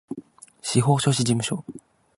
司法書士事務所